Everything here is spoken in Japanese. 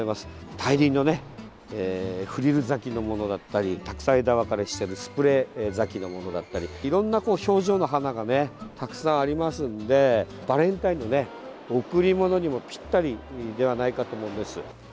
大輪のフリル咲きのものだったりたくさん枝分かれしているスプレー咲きのものだったりいろんな表情の花がたくさんありますのでバレンタインの贈り物にもぴったりではないかと思うんです。